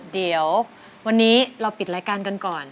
เดี๋ยววันนี้เราปิดรายการกันก่อน